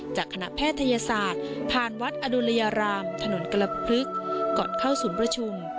จากคณะแพทยศาสตร์ผ่านวัดอดุลยารามถนนกรพลึกก่อนเข้าศูนย์ประชุม